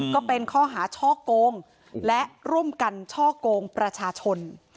ก็เป็นข้อหาช่อโกงและร่วมกันช่อกงประชาชน